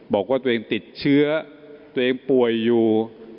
บอกว่าตัวเองติดเชื้อตัวเองป่วยอยู่